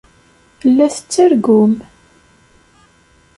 La tettargum.